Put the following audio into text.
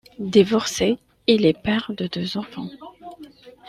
Divorcé, il est père de deux enfants.